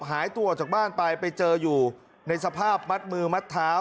หายตัวออกจากบ้านไปไปเจออยู่ในสภาพมัดมือมัดเท้า